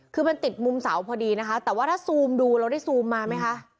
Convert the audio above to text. คือมันติดมุมเสาพอดีนะคะแต่ว่าถ้าซูมดูเราได้ซูมมาไหมคะ